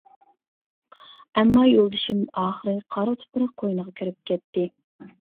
ئەمما يولدىشىم ئاخىرى قارا تۇپراق قوينىغا كىرىپ كەتتى.